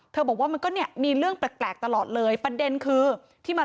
บอกว่ามันก็เนี่ยมีเรื่องแปลกตลอดเลยประเด็นคือที่มา